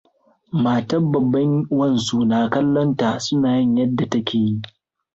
Matan babban wansu na kallonta suna yin yadda take yi.